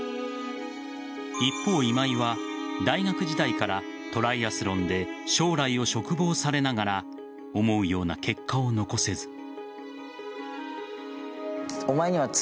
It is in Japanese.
一方、今井は大学時代からトライアスロンで将来を嘱望されながら思うような結果を残せず。